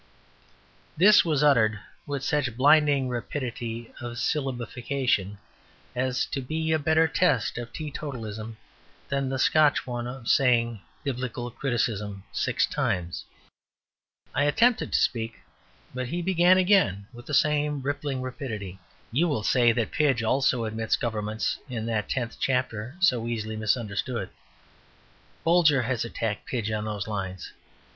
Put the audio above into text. This was uttered with such blinding rapidity of syllabification as to be a better test of teetotalism than the Scotch one of saying "Biblical criticism" six times. I attempted to speak, but he began again with the same rippling rapidity. "You will say that Pidge also admits government in that tenth chapter so easily misunderstood. Bolger has attacked Pidge on those lines.